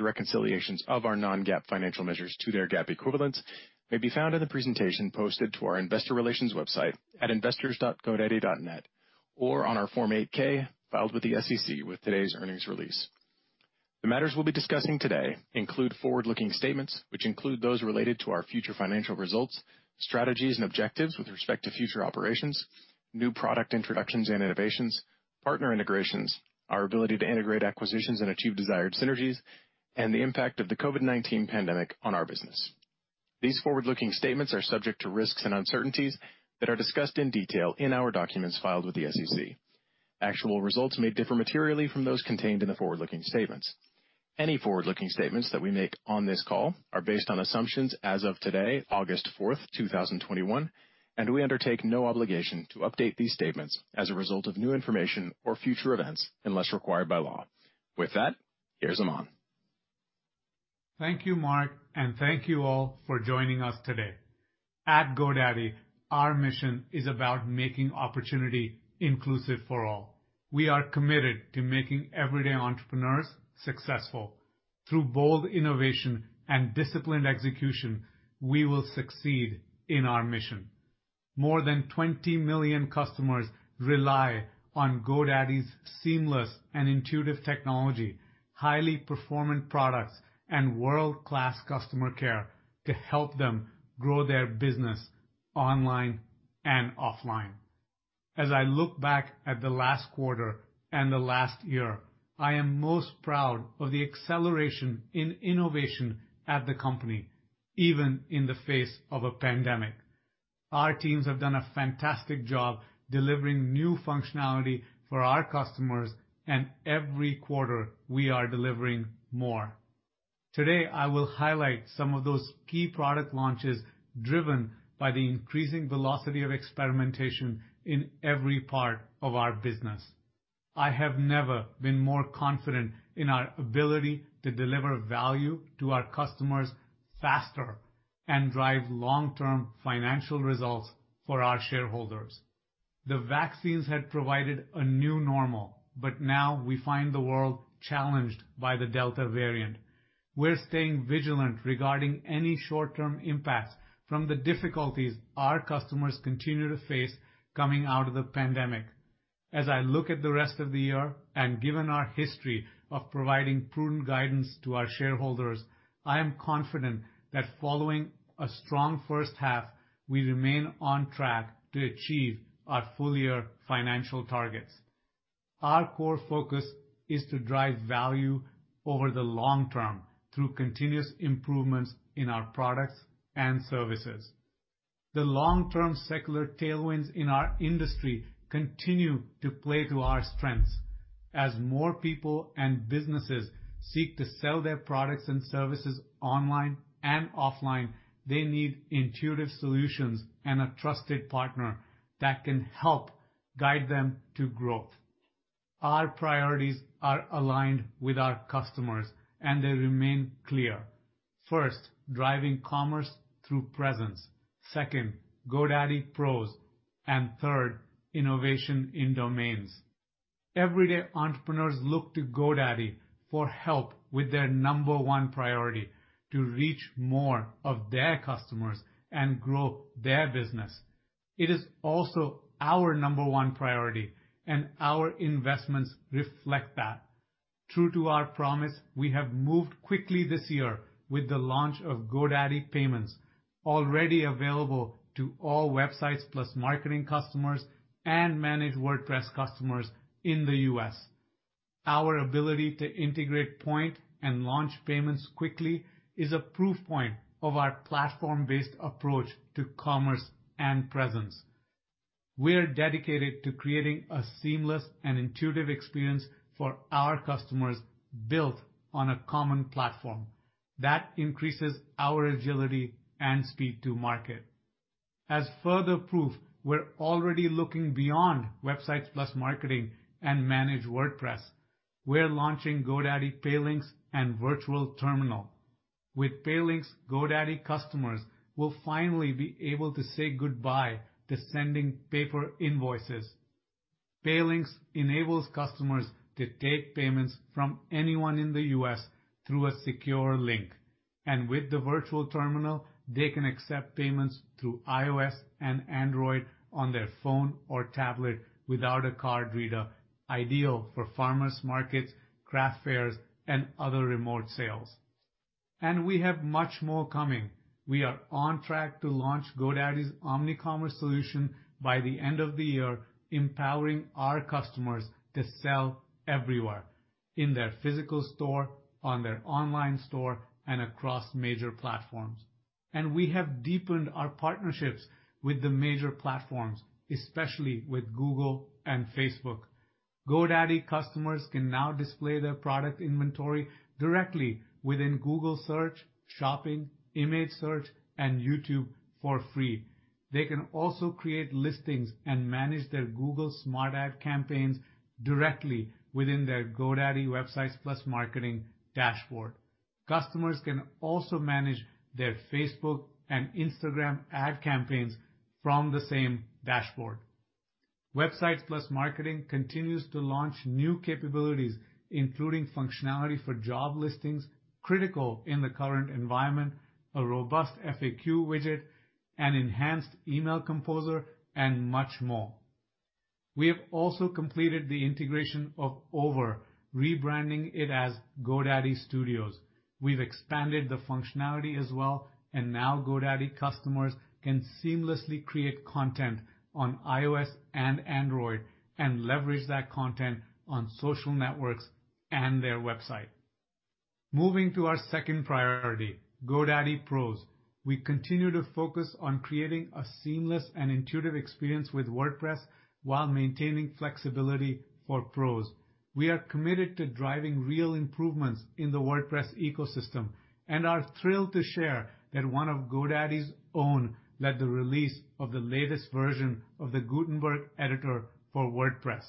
Reconciliations of our non-GAAP financial measures to their GAAP equivalents may be found in the presentation posted to our investor relations website at investors.godaddy.net or on our Form 8-K filed with the SEC with today's earnings release. The matters we will be discussing today include forward-looking statements, which include those related to our future financial results, strategies and objectives with respect to future operations, new product introductions and innovations, partner integrations, our ability to integrate acquisitions and achieve desired synergies, and the impact of the COVID-19 pandemic on our business. These forward-looking statements are subject to risks and uncertainties that are discussed in detail in our documents filed with the SEC. Actual results may differ materially from those contained in the forward-looking statements. Any forward-looking statements that we make on this call are based on assumptions as of today, August 4th, 2021. We undertake no obligation to update these statements as a result of new information or future events unless required by law. With that, here's Aman. Thank you, Mark, and thank you all for joining us today. At GoDaddy, our mission is about making opportunity inclusive for all. We are committed to making everyday entrepreneurs successful. Through bold innovation and disciplined execution, we will succeed in our mission. More than 20 million customers rely on GoDaddy's seamless and intuitive technology, highly performant products, and world-class customer care to help them grow their business online and offline. As I look back at the last quarter and the last year, I am most proud of the acceleration in innovation at the company, even in the face of a pandemic. Our teams have done a fantastic job delivering new functionality for our customers, and every quarter we are delivering more. Today, I will highlight some of those key product launches driven by the increasing velocity of experimentation in every part of our business. I have never been more confident in our ability to deliver value to our customers faster and drive long-term financial results for our shareholders. The vaccines had provided a new normal, now we find the world challenged by the Delta variant. We're staying vigilant regarding any short-term impacts from the difficulties our customers continue to face coming out of the pandemic. As I look at the rest of the year and given our history of providing prudent guidance to our shareholders, I am confident that following a strong first half, we remain on track to achieve our full-year financial targets. Our core focus is to drive value over the long term through continuous improvements in our products and services. The long-term secular tailwinds in our industry continue to play to our strengths. As more people and businesses seek to sell their products and services online and offline, they need intuitive solutions and a trusted partner that can help guide them to growth. Our priorities are aligned with our customers, and they remain clear. First, driving commerce through presence. Second, GoDaddy Pro. Third, innovation in domains. Everyday entrepreneurs look to GoDaddy for help with their number one priority, to reach more of their customers and grow their business. It is also our number one priority, and our investments reflect that. True to our promise, we have moved quickly this year with the launch of GoDaddy Payments, already available to all Websites + Marketing customers and Managed WordPress customers in the U.S. Our ability to integrate Poynt and launch payments quickly is a proof point of our platform-based approach to commerce and presence. We're dedicated to creating a seamless and intuitive experience for our customers built on a common platform that increases our agility and speed to market. As further proof, we're already looking beyond Websites + Marketing and Managed WordPress. We're launching GoDaddy Pay Links and Virtual Terminal. With Pay Links, GoDaddy customers will finally be able to say goodbye to sending paper invoices. Pay Links enables customers to take payments from anyone in the U.S. through a secure link. With the Virtual Terminal, they can accept payments through iOS and Android on their phone or tablet without a card reader, ideal for farmers markets, craft fairs, and other remote sales. We have much more coming. We are on track to launch GoDaddy's omnicommerce solution by the end of the year, empowering our customers to sell everywhere, in their physical store, on their online store, and across major platforms. We have deepened our partnerships with the major platforms, especially with Google and Facebook. GoDaddy customers can now display their product inventory directly within Google Search, Shopping, Image Search, and YouTube for free. They can also create listings and manage their Google Smart Campaigns directly within their GoDaddy Websites + Marketing dashboard. Customers can also manage their Facebook and Instagram ad campaigns from the same dashboard. Websites + Marketing continues to launch new capabilities, including functionality for job listings, critical in the current environment, a robust FAQ widget, an enhanced email composer, and much more. We have also completed the integration of Over, rebranding it as GoDaddy Studio. We've expanded the functionality as well, and now GoDaddy customers can seamlessly create content on iOS and Android, and leverage that content on social networks and their website. Moving to our second priority, GoDaddy Pro. We continue to focus on creating a seamless and intuitive experience with WordPress while maintaining flexibility for Pros. We are committed to driving real improvements in the WordPress ecosystem and are thrilled to share that one of GoDaddy's own led the release of the latest version of the Gutenberg editor for WordPress.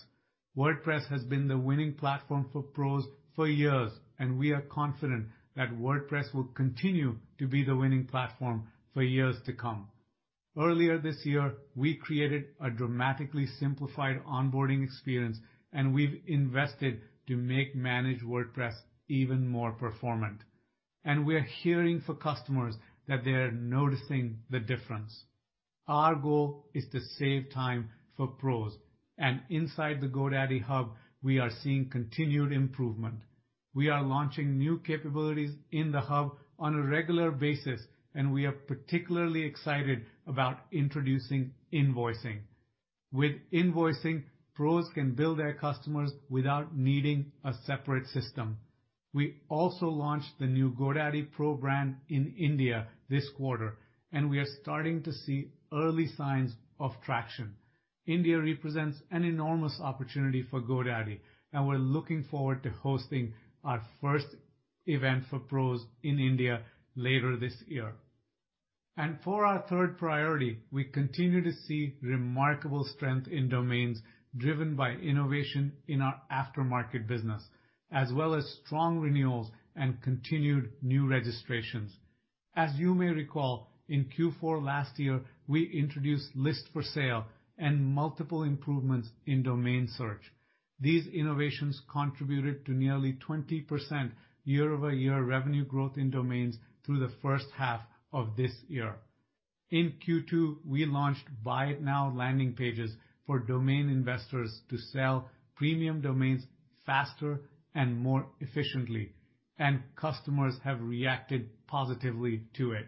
WordPress has been the winning platform for Pros for years, and we are confident that WordPress will continue to be the winning platform for years to come. Earlier this year, we created a dramatically simplified onboarding experience, and we've invested to make Managed WordPress even more performant. We're hearing from customers that they're noticing the difference. Our goal is to save time for Pros, and inside the GoDaddy Hub, we are seeing continued improvement. We are launching new capabilities in the Hub on a regular basis, and we are particularly excited about introducing invoicing. With invoicing, Pros can bill their customers without needing a separate system. We also launched the new GoDaddy Pro brand in India this quarter, and we are starting to see early signs of traction. India represents an enormous opportunity for GoDaddy, and we're looking forward to hosting our first event for Pros in India later this year. For our third priority, we continue to see remarkable strength in domains driven by innovation in our aftermarket business, as well as strong renewals and continued new registrations. As you may recall, in Q4 last year, we introduced List for Sale and multiple improvements in domain search. These innovations contributed to nearly 20% year-over-year revenue growth in domains through the first half of this year. In Q2, we launched Buy It Now landers for domain investors to sell premium domains faster and more efficiently, and customers have reacted positively to it.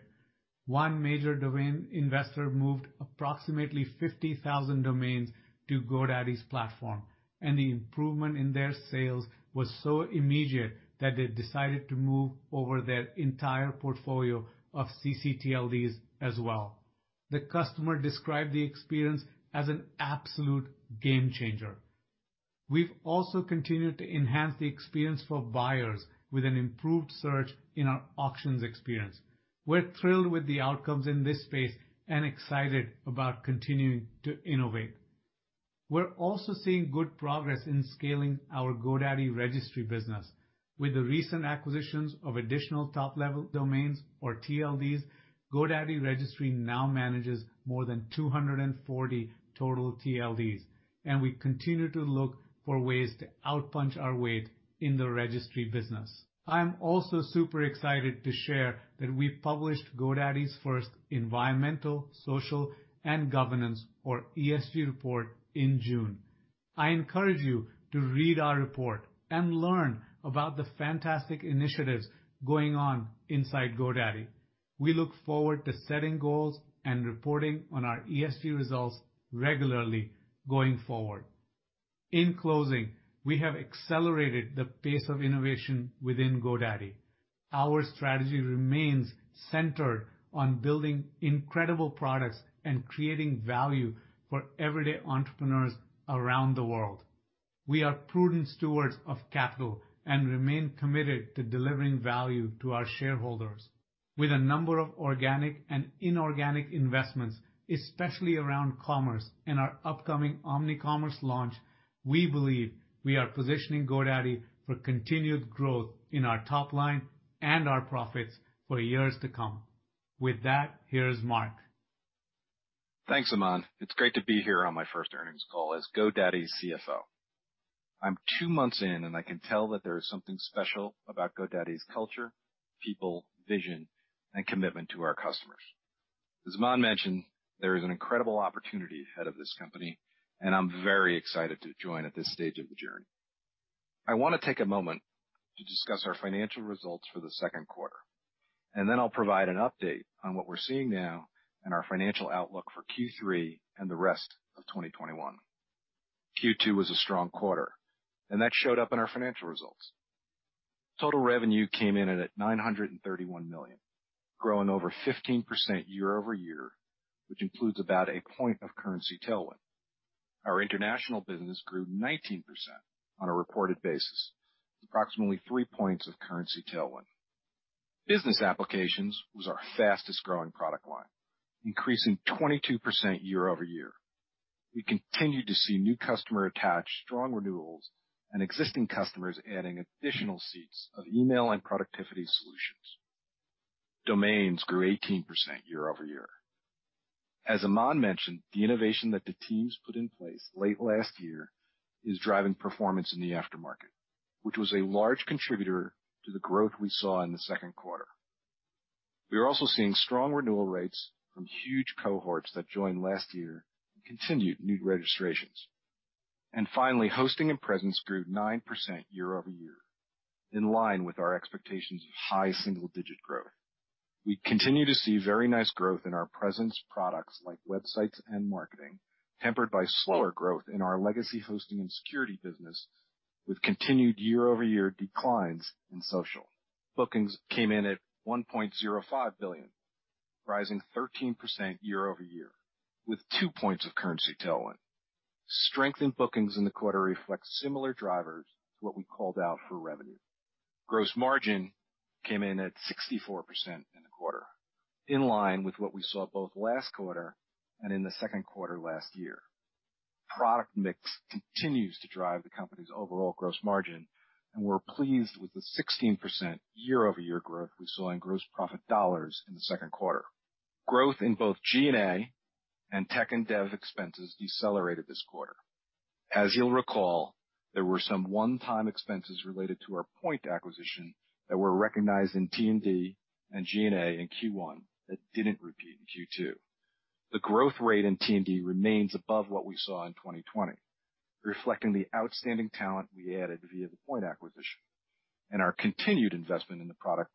One major domain investor moved approximately 50,000 domains to GoDaddy's platform, and the improvement in their sales was so immediate that they decided to move over their entire portfolio of ccTLDs as well. The customer described the experience as an absolute game changer. We've also continued to enhance the experience for buyers with an improved search in our auctions experience. We're thrilled with the outcomes in this space and excited about continuing to innovate. We're also seeing good progress in scaling our GoDaddy Registry business. With the recent acquisitions of additional top-level domains, or TLDs, GoDaddy Registry now manages more than 240 total TLDs, and we continue to look for ways to outpunch our weight in the registry business. I'm also super excited to share that we published GoDaddy's first environmental, social, and governance, or ESG report in June. I encourage you to read our report and learn about the fantastic initiatives going on inside GoDaddy. We look forward to setting goals and reporting on our ESG results regularly going forward. In closing, we have accelerated the pace of innovation within GoDaddy. Our strategy remains centered on building incredible products and creating value for everyday entrepreneurs around the world. We are prudent stewards of capital and remain committed to delivering value to our shareholders. With a number of organic and inorganic investments, especially around commerce and our upcoming omnicommerce launch, we believe we are positioning GoDaddy for continued growth in our top line and our profits for years to come. With that, here's Mark. Thanks, Aman. It's great to be here on my first earnings call as GoDaddy's CFO. I'm two months in, and I can tell that there is something special about GoDaddy's culture, people, vision, and commitment to our customers. As Aman mentioned, there is an incredible opportunity ahead of this company, and I'm very excited to join at this stage of the journey. I want to take a moment to discuss our financial results for the second quarter, and then I'll provide an update on what we're seeing now and our financial outlook for Q3 and the rest of 2021. Q2 was a strong quarter, and that showed up in our financial results. Total revenue came in at $931 million, growing over 15% year-over-year, which includes about a point of currency tailwind. Our international business grew 19% on a reported basis, approximately three points of currency tailwind. Business applications was our fastest-growing product line, increasing 22% year-over-year. We continue to see new customer attach, strong renewals, and existing customers adding additional seats of email and productivity solutions. Domains grew 18% year-over-year. As Aman mentioned, the innovation that the teams put in place late last year is driving performance in the aftermarket, which was a large contributor to the growth we saw in the second quarter. We are also seeing strong renewal rates from huge cohorts that joined last year and continued new registrations. Finally, hosting and presence grew 9% year-over-year, in line with our expectations of high single-digit growth. We continue to see very nice growth in our presence products like Websites + Marketing, tempered by slower growth in our legacy hosting and security business, with continued year-over-year declines in social. Bookings came in at $1.05 billion, rising 13% year-over-year, with two points of currency tailwind. Strength in bookings in the quarter reflects similar drivers to what we called out for revenue. Gross margin came in at 64% in the quarter, in line with what we saw both last quarter and in the second quarter last year. Product mix continues to drive the company's overall gross margin, and we're pleased with the 16% year-over-year growth we saw in gross profit dollars in the second quarter. Growth in both G&A and tech and dev expenses decelerated this quarter. As you'll recall, there were some one-time expenses related to our Poynt acquisition that were recognized in T&D and G&A in Q1 that didn't repeat in Q2. The growth rate in T&D remains above what we saw in 2020, reflecting the outstanding talent we added via the Poynt acquisition and our continued investment in the product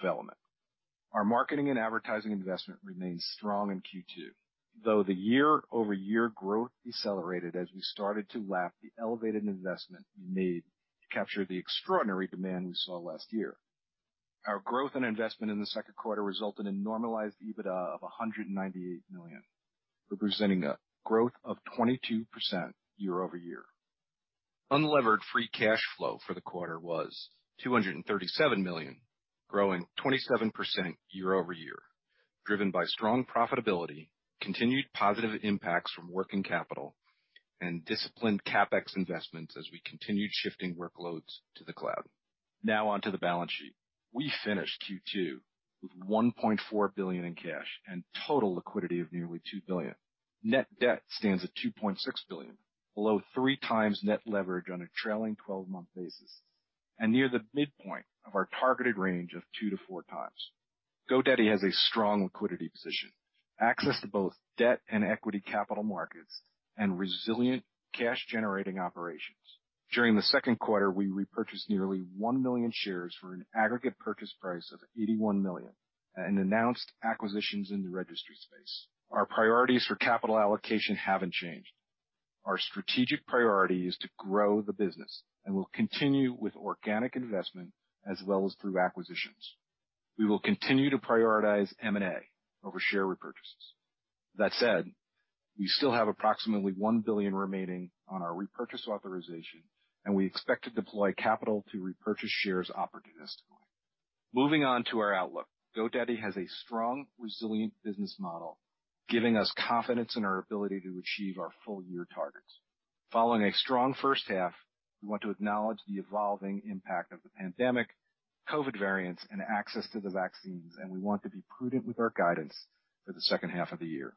development. Our marketing and advertising investment remained strong in Q2, though the year-over-year growth decelerated as we started to lap the elevated investment we made to capture the extraordinary demand we saw last year. Our growth and investment in the second quarter resulted in normalized EBITDA of $198 million, representing a growth of 22% year-over-year. Unlevered free cash flow for the quarter was $237 million, growing 27% year-over-year, driven by strong profitability, continued positive impacts from working capital, and disciplined CapEx investments as we continued shifting workloads to the cloud. On to the balance sheet. We finished Q2 with $1.4 billion in cash and total liquidity of nearly $2 billion. Net debt stands at $2.6 billion, below 3x net leverage on a trailing 12-month basis and near the midpoint of our targeted range of 2x-4x GoDaddy has a strong liquidity position, access to both debt and equity capital markets, and resilient cash-generating operations. During the second quarter, we repurchased nearly 1 million shares for an aggregate purchase price of $81 million and announced acquisitions in the registry space. Our priorities for capital allocation haven't changed. Our strategic priority is to grow the business, and we'll continue with organic investment as well as through acquisitions. We will continue to prioritize M&A over share repurchases. That said, we still have approximately $1 billion remaining on our repurchase authorization, and we expect to deploy capital to repurchase shares opportunistically. Moving on to our outlook. GoDaddy has a strong, resilient business model, giving us confidence in our ability to achieve our full-year targets. Following a strong first half, we want to acknowledge the evolving impact of the pandemic, COVID variants, and access to the vaccines, and we want to be prudent with our guidance for the second half of the year.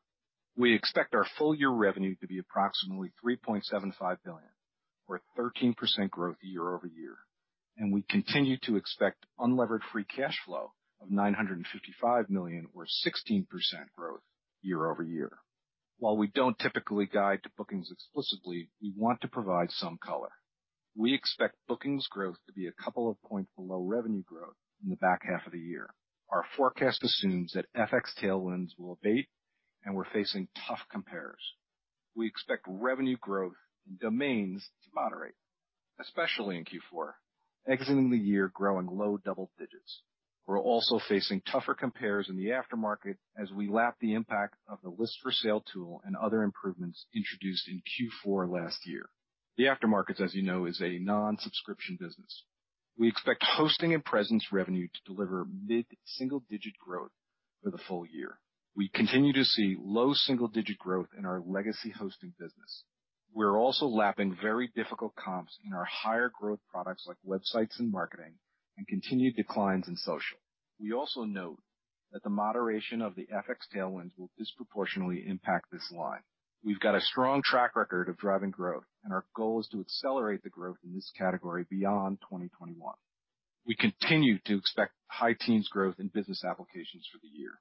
We expect our full-year revenue to be approximately $3.75 billion, or 13% growth year-over-year, and we continue to expect unlevered free cash flow of $955 million, or 16% growth year-over-year. While we don't typically guide to bookings explicitly, we want to provide some color. We expect bookings growth to be a couple of points below revenue growth in the back half of the year. Our forecast assumes that FX tailwinds will abate, and we're facing tough compares. We expect revenue growth in domains to moderate, especially in Q4, exiting the year growing low double digits. We're also facing tougher compares in the aftermarket as we lap the impact of the List for Sale tool and other improvements introduced in Q4 last year. The aftermarket, as you know, is a non-subscription business. We expect hosting and presence revenue to deliver mid-single-digit growth for the full year. We continue to see low single-digit growth in our legacy hosting business. We're also lapping very difficult comps in our higher growth products like Websites + Marketing and continued declines in social. We also note that the moderation of the FX tailwinds will disproportionately impact this line. We've got a strong track record of driving growth, and our goal is to accelerate the growth in this category beyond 2021. We continue to expect high teens growth in business applications for the year.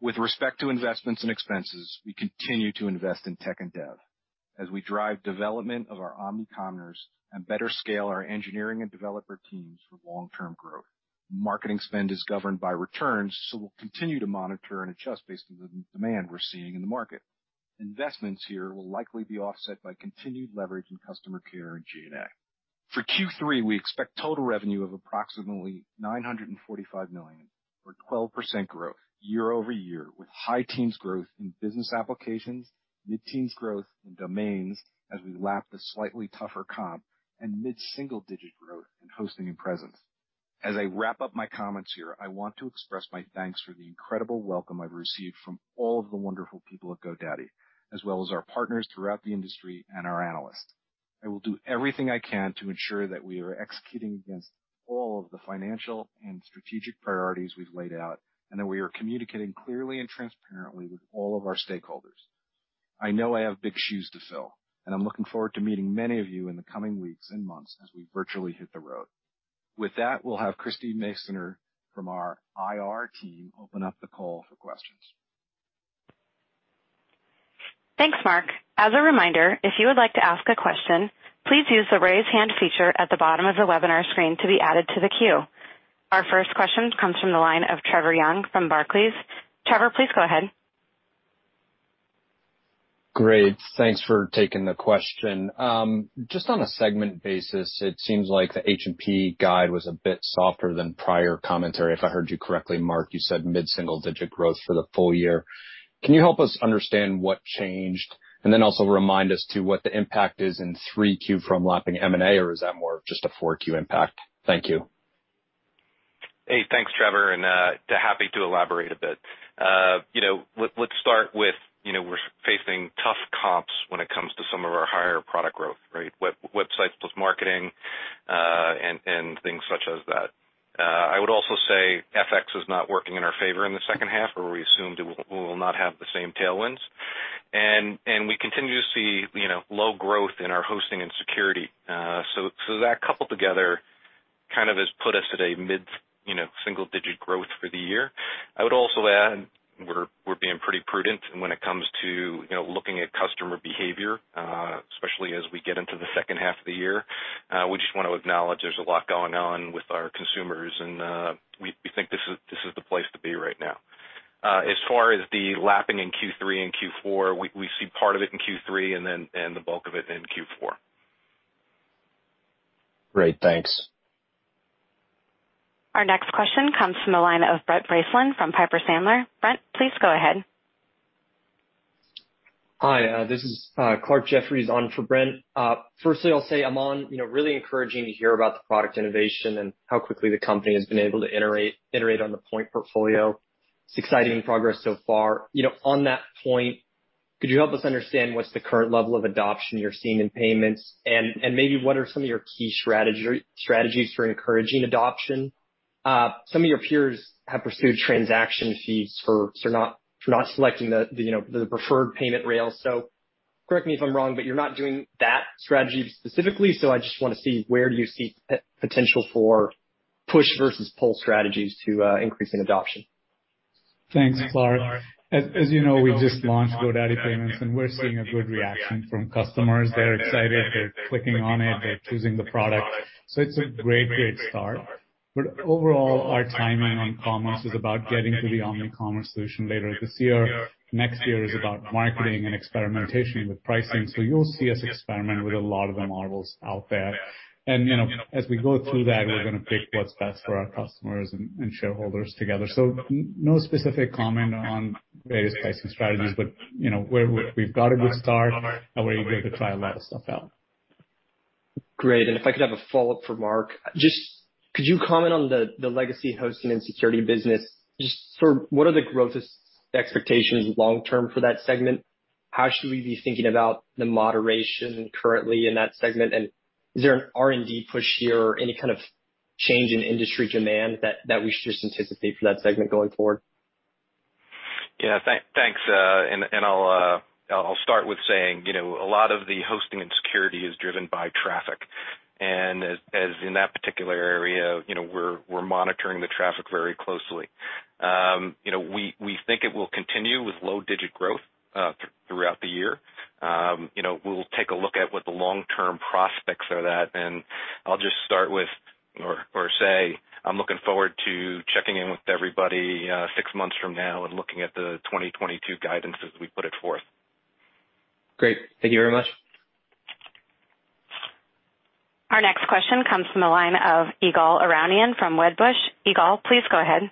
With respect to investments and expenses, we continue to invest in tech and dev as we drive development of our omnicommerce and better scale our engineering and developer teams for long-term growth. Marketing spend is governed by returns. We'll continue to monitor and adjust based on the demand we're seeing in the market. Investments here will likely be offset by continued leverage in customer care and G&A. For Q3, we expect total revenue of approximately $945 million, or 12% growth year-over-year, with high teens growth in business applications, mid-teens growth in domains as we lap the slightly tougher comp, and mid-single-digit growth in hosting and presence. As I wrap up my comments here, I want to express my thanks for the incredible welcome I've received from all of the wonderful people at GoDaddy, as well as our partners throughout the industry and our analysts. I will do everything I can to ensure that we are executing against all of the financial and strategic priorities we've laid out, and that we are communicating clearly and transparently with all of our stakeholders. I know I have big shoes to fill, and I'm looking forward to meeting many of you in the coming weeks and months as we virtually hit the road. With that, we'll have Christie Masoner from our IR team open up the call for questions. Thanks, Mark. As a reminder, if you would like to ask a question, please use the raise hand feature at the bottom of the webinar screen to be added to the queue. Our first question comes from the line of Trevor Young from Barclays. Trevor, please go ahead. Great. Thanks for taking the question. Just on a segment basis, it seems like the H&P guide was a bit softer than prior commentary. If I heard you correctly, Mark, you said mid-single-digit growth for the full year. Can you help us understand what changed? Then also remind us to what the impact is in 3Q from lapping M&A, or is that more just a 4Q impact? Thank you. Thanks, Trevor, happy to elaborate a bit. Let's start with we're facing tough comps when it comes to some of our higher product growth, right? Websites + Marketing, things such as that. I would also say FX is not working in our favor in the second half, where we assumed we will not have the same tailwinds. We continue to see low growth in our hosting and security. That coupled together kind of has put us at a mid-single-digit growth for the year. I would also add we're being pretty prudent when it comes to looking at customer behavior, especially as we get into the second half of the year. We just want to acknowledge there's a lot going on with our consumers, and we think this is the place to be right now. As far as the lapping in Q3 and Q4, we see part of it in Q3 and the bulk of it in Q4. Great. Thanks. Our next question comes from the line of Brent Bracelin from Piper Sandler. Brent, please go ahead. Hi, this is Clarke Jeffries on for Brent. Firstly, I'll say Aman, really encouraging to hear about the product innovation and how quickly the company has been able to iterate on the Poynt portfolio. It's exciting progress so far. On that point, could you help us understand what's the current level of adoption you're seeing in payments, and maybe what are some of your key strategies for encouraging adoption? Some of your peers have pursued transaction fees for not selecting the preferred payment rail. Correct me if I'm wrong, but you're not doing that strategy specifically. I just want to see where do you see potential for push versus pull strategies to increase in adoption? Thanks, Clarke. As you know, we just launched GoDaddy Payments, and we're seeing a good reaction from customers. They're excited. They're clicking on it. They're choosing the product. It's a great start. Overall, our timing on commerce is about getting to the omnicommerce solution later this year. Next year is about marketing and experimentation with pricing. You'll see us experiment with a lot of the models out there. As we go through that, we're going to pick what's best for our customers and shareholders together. No specific comment on various pricing strategies, but we've got a good start, and we're able to try a lot of stuff out. Great. If I could have a follow-up for Mark, just could you comment on the legacy hosting and security business, just for what are the growth expectations long-term for that segment? How should we be thinking about the moderation currently in that segment? Is there an R&D push here or any kind of change in industry demand that we should anticipate for that segment going forward? Yeah, thanks. I'll start with saying a lot of the hosting and security is driven by traffic. As in that particular area, we're monitoring the traffic very closely. We think it will continue with low digit growth throughout the year. We'll take a look at what the long-term prospects are that. I'll just start with or say I'm looking forward to checking in with everybody six months from now and looking at the 2022 guidance as we put it forth. Great. Thank you very much. Our next question comes from the line of Ygal Arounian from Wedbush. Ygal, please go ahead.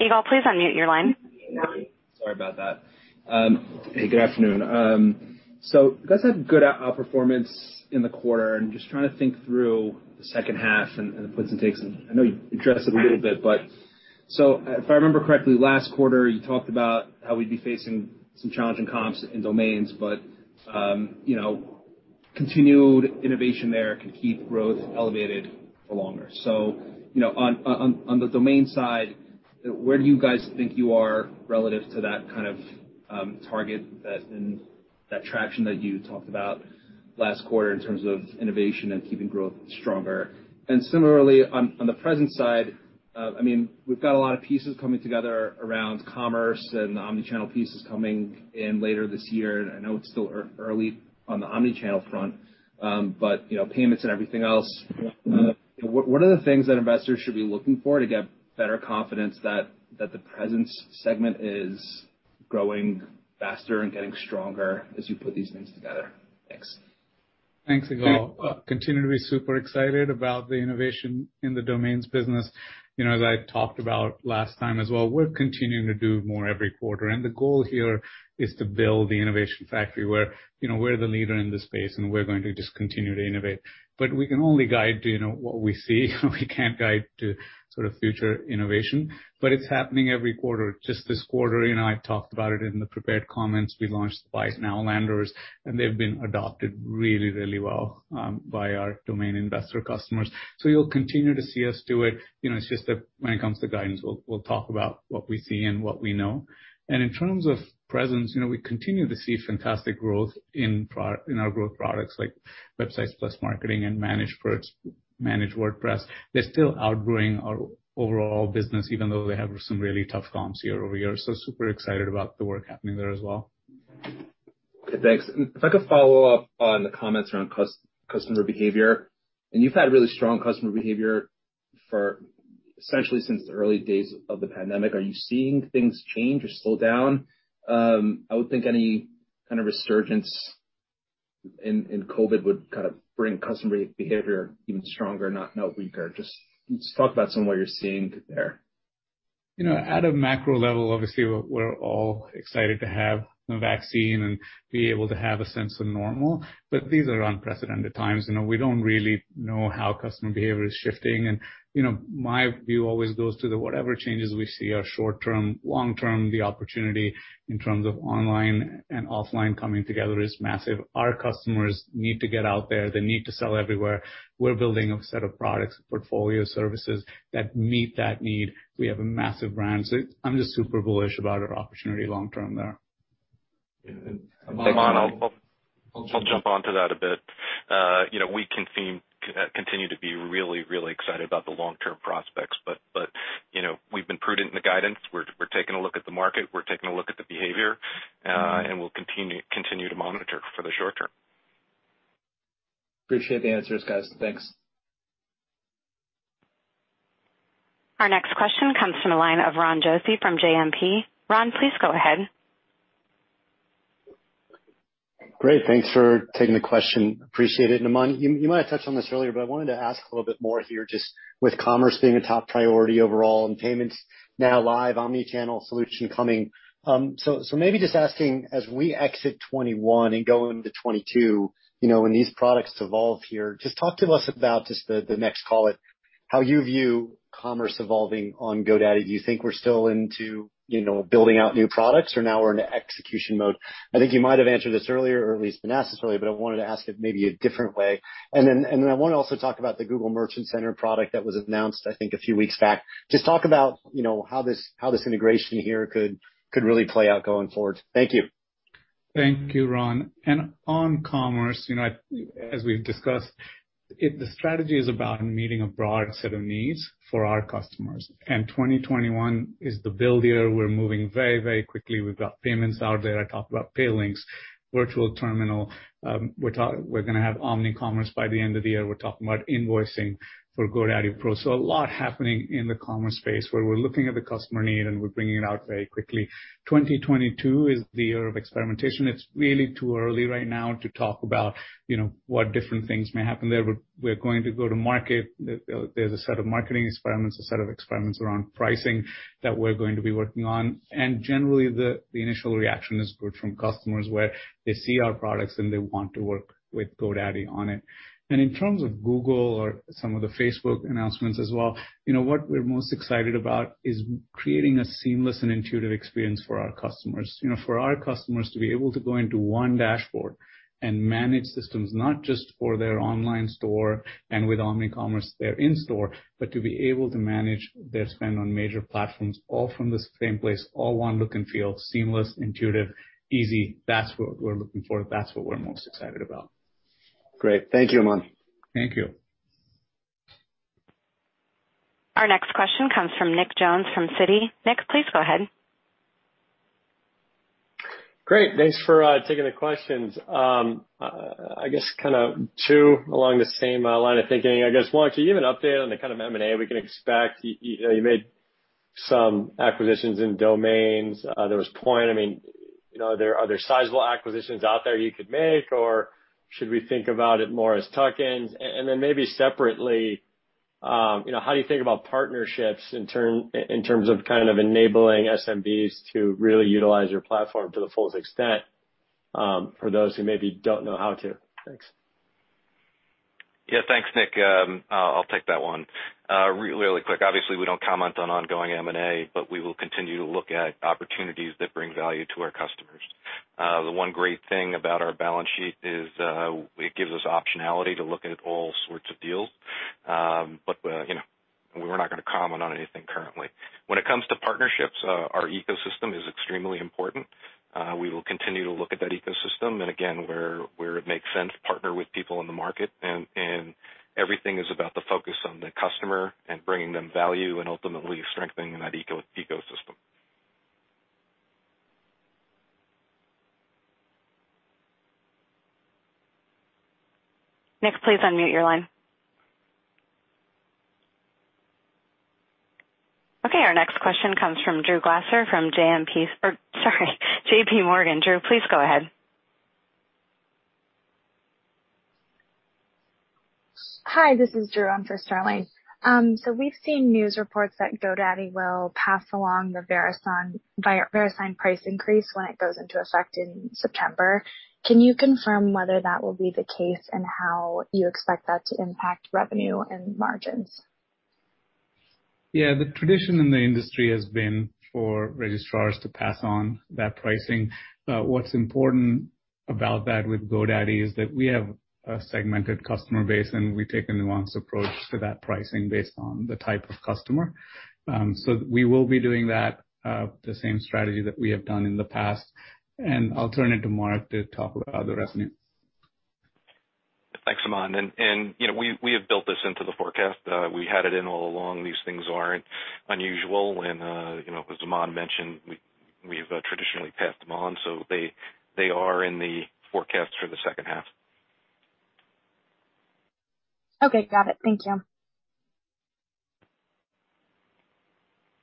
Ygal, please unmute your line. Sorry about that. Hey, good afternoon. You guys had good outperformance in the quarter, just trying to think through the second half and the puts and takes. I know you addressed it a little bit. If I remember correctly, last quarter, you talked about how we'd be facing some challenging comps in domains, but continued innovation there can keep growth elevated for longer. On the domain side, where do you guys think you are relative to that kind of target and that traction that you talked about last quarter in terms of innovation and keeping growth stronger? Similarly, on the presence side, we've got a lot of pieces coming together around commerce and the omni-channel pieces coming in later this year. I know it's still early on the omni-channel front, but payments and everything else, what are the things that investors should be looking for to get better confidence that the presence segment is growing faster and getting stronger as you put these things together? Thanks. Thanks, Ygal Arounian. Continue to be super excited about the innovation in the domains business. As I talked about last time as well, we're continuing to do more every quarter, and the goal here is to build the innovation factory where we're the leader in this space, and we're going to just continue to innovate. We can only guide to what we see. We can't guide to future innovation, but it's happening every quarter. Just this quarter, I talked about it in the prepared comments, we launched the Buy It Now landers, and they've been adopted really well by our domain investor customers. You'll continue to see us do it. It's just that when it comes to guidance, we'll talk about what we see and what we know. In terms of presence, we continue to see fantastic growth in our growth products like Websites + Marketing and Managed WordPress. They're still outgrowing our overall business, even though they have some really tough comps year-over-year. Super excited about the work happening there as well. Okay, thanks. If I could follow up on the comments around customer behavior, and you've had really strong customer behavior for essentially since the early days of the pandemic. Are you seeing things change or slow down? I would think any kind of resurgence in COVID would bring customer behavior even stronger, not weaker. Just talk about some of what you're seeing there. At a macro level, obviously, we're all excited to have a vaccine and be able to have a sense of normal, but these are unprecedented times, and we don't really know how customer behavior is shifting. My view always goes to the whatever changes we see are short-term. Long-term, the opportunity in terms of online and offline coming together is massive. Our customers need to get out there. They need to sell everywhere. We're building a set of products, portfolio services that meet that need. We have a massive brand, so I'm just super bullish about our opportunity long-term there. Aman, I'll jump onto that a bit. We continue to be really excited about the long-term prospects. We've been prudent in the guidance. We're taking a look at the market, we're taking a look at the behavior. We'll continue to monitor for the short-term. Appreciate the answers, guys. Thanks. Our next question comes from the line of Ron Josey from JMP. Ron, please go ahead. Great. Thanks for taking the question. Appreciate it. Aman, you might have touched on this earlier. I wanted to ask a little bit more here, with commerce being a top priority overall and payments now live, omni-channel solution coming. Maybe asking, as we exit 2021 and go into 2022, when these products evolve here, talk to us about the next call it how you view commerce evolving on GoDaddy. Do you think we're still into building out new products, or now we're in execution mode? I think you might have answered this earlier, or at least been asked this already. I wanted to ask it maybe a different way. I want to also talk about the Google Merchant Center product that was announced, I think, a few weeks back. Talk about how this integration here could really play out going forward. Thank you. Thank you, Ron. On commerce, as we've discussed, the strategy is about meeting a broad set of needs for our customers, 2021 is the build year. We're moving very quickly. We've got payments out there. I talked about Pay Links, Virtual Terminal. We're going to have omnicommerce by the end of the year. We're talking about invoicing for GoDaddy Pro. A lot happening in the commerce space where we're looking at the customer need, and we're bringing it out very quickly. 2022 is the year of experimentation. It's really too early right now to talk about what different things may happen there, but we're going to go to market. There's a set of marketing experiments, a set of experiments around pricing that we're going to be working on. Generally, the initial reaction is good from customers, where they see our products, and they want to work with GoDaddy on it. In terms of Google or some of the Facebook announcements as well, what we're most excited about is creating a seamless and intuitive experience for our customers. For our customers to be able to go into one dashboard and manage systems, not just for their online store and with omnicommerce, their in-store, but to be able to manage their spend on major platforms all from the same place, all one look and feel, seamless, intuitive, easy. That's what we're looking for. That's what we're most excited about. Great. Thank you, Aman. Thank you. Our next question comes from Nick Jones from Citi. Nick, please go ahead. Great. Thanks for taking the questions. Kind of two along the same line of thinking, I guess. One, can you give an update on the kind of M&A we can expect? You made some acquisitions in domains. There was Poynt. Are there sizable acquisitions out there you could make, or should we think about it more as tuck-ins? Then maybe separately, how do you think about partnerships in terms of enabling SMBs to really utilize your platform to the fullest extent for those who maybe don't know how to? Thanks. Thanks, Nick. I'll take that one really quick. We don't comment on ongoing M&A, but we will continue to look at opportunities that bring value to our customers. The one great thing about our balance sheet is it gives us optionality to look at all sorts of deals. We're not going to comment on anything currently. When it comes to partnerships, our ecosystem is extremely important. We will continue to look at that ecosystem, again, where it makes sense, partner with people in the market, everything is about the focus on the customer and bringing them value and ultimately strengthening that ecosystem. Nick, please unmute your line. Next question comes from Drew Glaser from JPMorgan. Drew, please go ahead. Hi, this is Drew. I'm for Sterling. We've seen news reports that GoDaddy will pass along the Verisign price increase when it goes into effect in September. Can you confirm whether that will be the case, and how you expect that to impact revenue and margins? Yeah. The tradition in the industry has been for registrars to pass on that pricing. What's important about that with GoDaddy is that we have a segmented customer base, and we take a nuanced approach to that pricing based on the type of customer. We will be doing that, the same strategy that we have done in the past. I'll turn it to Mark to talk about the rest of it. Thanks, Aman. We have built this into the forecast. We had it in all along. These things aren't unusual. As Aman mentioned, we've traditionally passed them on, so they are in the forecast for the second half. Okay. Got it. Thank you.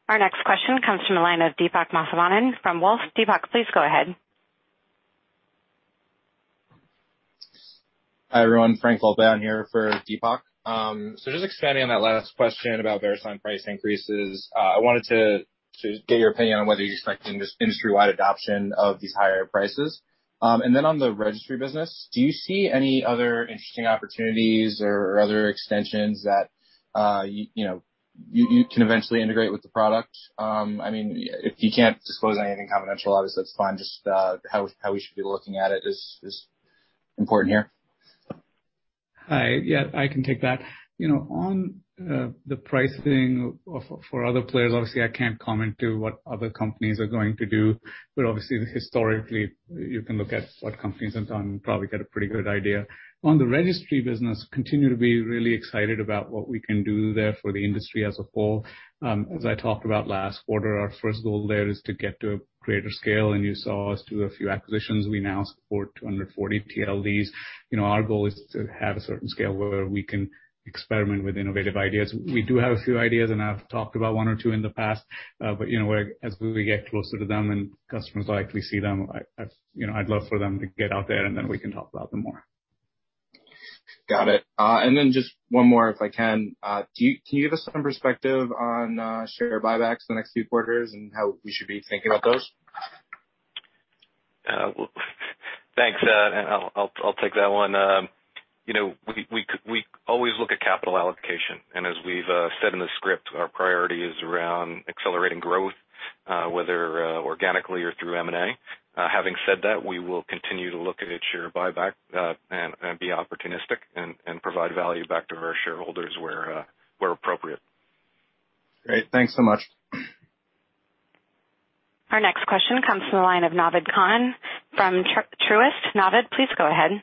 Our next question comes from the line of Deepak Mathivanan from Wolfe Research. Deepak, please go ahead. Hi, everyone. Frank Lobban here for Deepak. Just expanding on that last question about Verisign price increases. I wanted to get your opinion on whether you're expecting this industry-wide adoption of these higher prices. Then on the registry business, do you see any other interesting opportunities or other extensions that you can eventually integrate with the product? If you can't disclose anything confidential, obviously, that's fine. Just how we should be looking at it is important here. Hi. Yeah, I can take that. On the pricing for other players, obviously, I can't comment to what other companies are going to do, but obviously, historically, you can look at what companies have done and probably get a pretty good idea. On the registry business, continue to be really excited about what we can do there for the industry as a whole. As I talked about last quarter, our first goal there is to get to a greater scale, and you saw us do a few acquisitions. We now support 240 TLDs. Our goal is to have a certain scale where we can experiment with innovative ideas. We do have a few ideas, and I've talked about one or two in the past. As we get closer to them and customers likely see them, I'd love for them to get out there, and then we can talk about them more. Got it. Just one more, if I can. Can you give us some perspective on share buybacks the next few quarters and how we should be thinking about those? Thanks. I'll take that one. We always look at capital allocation, and as we've said in the script, our priority is around accelerating growth, whether organically or through M&A. Having said that, we will continue to look at share buyback, and be opportunistic and provide value back to our shareholders where appropriate. Great. Thanks so much. Our next question comes from the line of Naved Khan from Truist. Naved, please go ahead.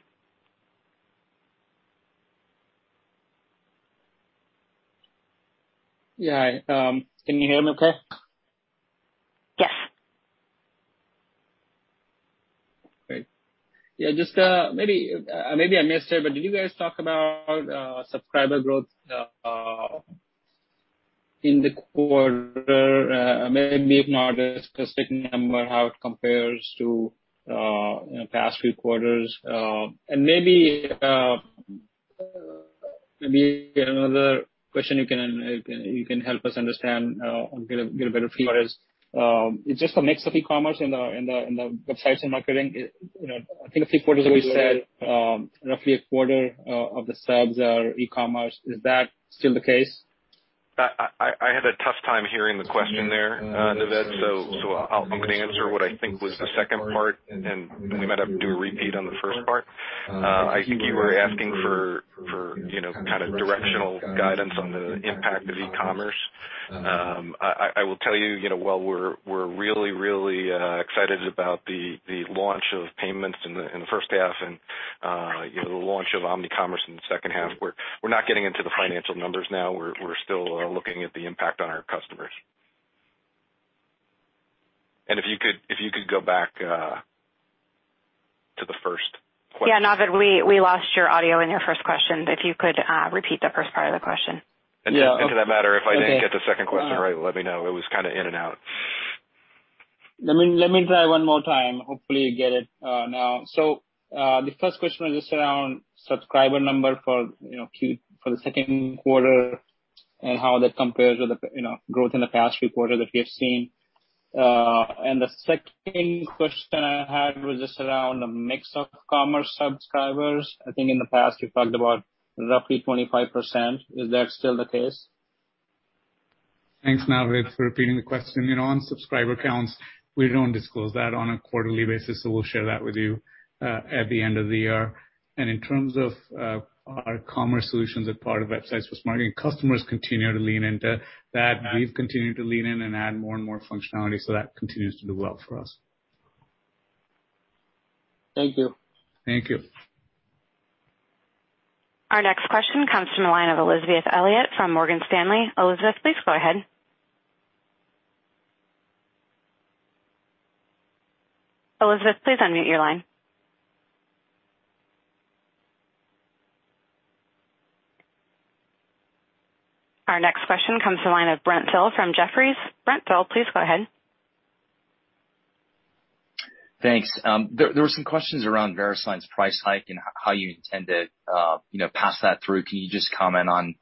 Yeah. Can you hear me okay? Yes. Great. Yeah, maybe I missed it, but did you guys talk about subscriber growth in the quarter? Maybe not a specific number, how it compares to past few quarters. Maybe another question you can help us understand or get a better feel is just the mix of e-commerce in the Websites + Marketing. I think a few quarters ago you said roughly a quarter of the subs are e-commerce. Is that still the case? I had a tough time hearing the question there, Naved, so I'm going to answer what I think was the second part, and we might have to do a repeat on the first part. I think you were asking for kind of directional guidance on the impact of e-commerce. I will tell you, while we're really excited about the launch of payments in the first half and the launch of omni-commerce in the second half, we're not getting into the financial numbers now. We're still looking at the impact on our customers. If you could go back to the first question. Yeah, Naved, we lost your audio in your first question. If you could repeat the first part of the question. To that matter, if I didn't get the second question right, let me know. It was kind of in and out. Let me try one more time. Hopefully, you get it now. The first question was just around subscriber number for the second quarter and how that compares with the growth in the past quarter that we have seen. The second question I had was just around the mix of commerce subscribers. I think in the past you talked about roughly 25%. Is that still the case? Thanks, Naved, for repeating the question. On subscriber counts, we don't disclose that on a quarterly basis. We'll share that with you at the end of the year. In terms of our commerce solutions as part of Websites + Marketing, customers continue to lean into that. We've continued to lean in and add more and more functionality. That continues to do well for us. Thank you. Thank you. Our next question comes from the line of Elizabeth Porter from Morgan Stanley. Elizabeth, please go ahead. Our next question comes to the line of Brent Thill from Jefferies. Brent Thill, please go ahead. Thanks. There were some questions around Verisign's price hike and how you intend to pass that through. Can you just comment on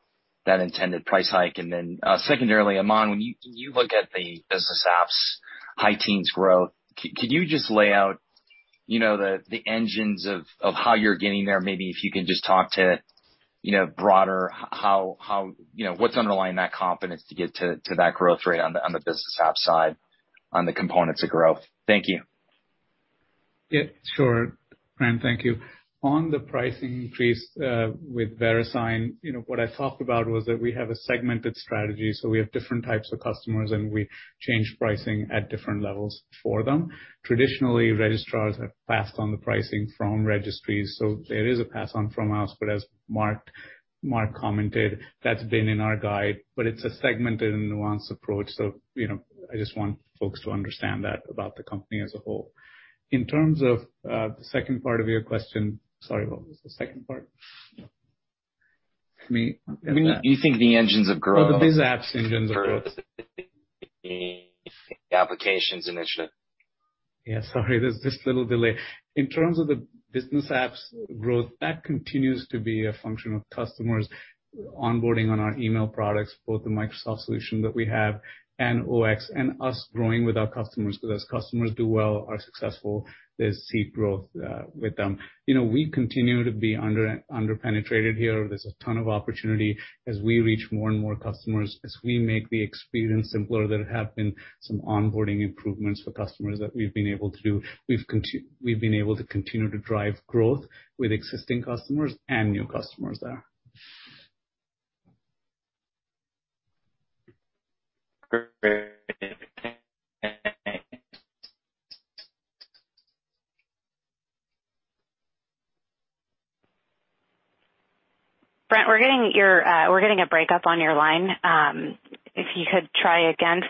that intended price hike? Then secondarily, Aman, when you look at the business apps high teens growth, could you just lay out the engines of how you're getting there? Maybe if you can just talk to broader, what's underlying that confidence to get to that growth rate on the business app side, on the components of growth. Thank you. Yeah, sure. Brent, thank you. On the pricing increase with Verisign, what I talked about was that we have a segmented strategy, so we have different types of customers, and we change pricing at different levels for them. Traditionally, registrars have passed on the pricing from registries, so it is a pass-on from us, but as Mark commented, that's been in our guide, but it's a segmented and nuanced approach. I just want folks to understand that about the company as a whole. In terms of the second part of your question, sorry, what was the second part? You think the engines of growth. The business apps engines of growth. the applications initiative. Yeah, sorry, there's this little delay. In terms of the business apps growth, that continues to be a function of customers onboarding on our email products, both the Microsoft solution that we have and Open-Xchange, and us growing with our customers, because customers do well, are successful, they see growth with them. We continue to be under-penetrated here. There's a ton of opportunity as we reach more and more customers, as we make the experience simpler. There have been some onboarding improvements for customers that we've been able to do. We've been able to continue to drive growth with existing customers and new customers there. Brent, we're getting a breakup on your line. If you could try again.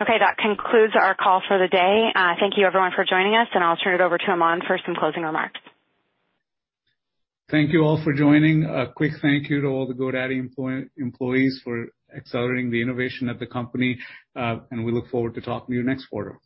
That concludes our call for the day. Thank you everyone for joining us, and I'll turn it over to Aman for some closing remarks. Thank you all for joining. A quick thank you to all the GoDaddy employees for accelerating the innovation at the company, we look forward to talking to you next quarter.